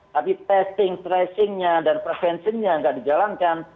tapi testing tracing nya dan prevention nya tidak dijalankan